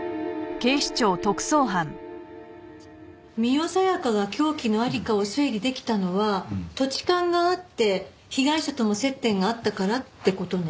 深世小夜香が凶器の在りかを推理できたのは土地勘があって被害者とも接点があったからって事ね？